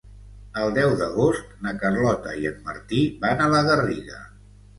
El deu d'agost na Carlota i en Martí van a la Garriga.